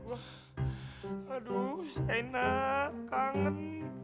aduh shaina kangen